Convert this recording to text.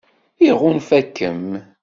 Iɣunfa-kem?